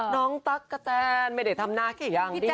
น้องตั๊กกะแตนไม่ได้ทำหน้าเก๋อย่างเดียว